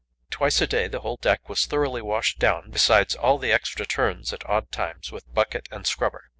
Twice a day the whole deck was thoroughly washed down, besides all the extra turns at odd times with bucket and scrubber.